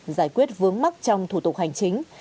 giải quyết vướng mắc trong thủ tục hành chính